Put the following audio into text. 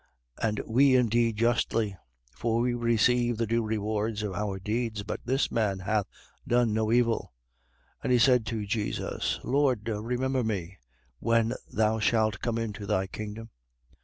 23:41. And we indeed justly: for we receive the due reward of our deeds. But this man hath done no evil. 23:42. And he said to Jesus: Lord, remember me when thou shalt come into thy kingdom.